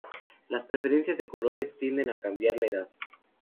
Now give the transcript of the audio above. Las preferencias de colores tienden a cambiar con la edad.